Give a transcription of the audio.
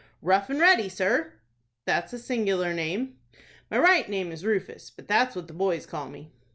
"Rough and Ready, sir." "That's a singular name." "My right name is Rufus; but that's what the boys call me."